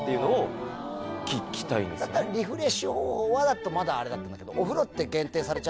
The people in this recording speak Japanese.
だったら「リフレッシュ方法は？」だとまだあれだったんだけど。